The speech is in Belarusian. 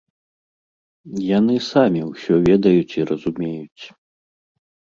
Яны самі ўсё ведаюць і разумеюць.